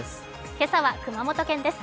今朝は熊本県です。